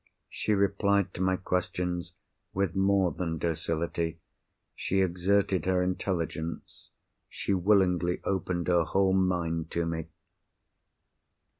She replied to my questions with more than docility—she exerted her intelligence; she willingly opened her whole mind to me.